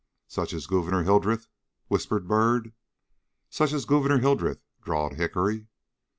"Such as Gouverneur Hildreth?" whispered Byrd. "Such as Gouverneur Hildreth," drawled Hickory.